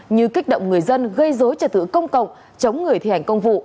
như kích động người dân gây dối trả thử công cộng chống người thi hành công vụ